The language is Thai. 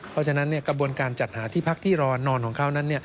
เพราะฉะนั้นกระบวนการจัดหาที่พักที่รอนอนของเขานั้น